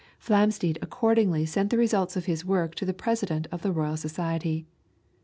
Flamsteed accordingly sent the results of his work to the President of the Royal Society.